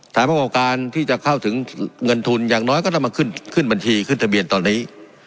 ประกอบการที่จะเข้าถึงเงินทุนอย่างน้อยก็ต้องมาขึ้นขึ้นบัญชีขึ้นทะเบียนตอนนี้